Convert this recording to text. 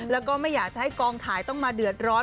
แล้วก็ไม่อยากจะให้กองถ่ายต้องมาเดือดร้อน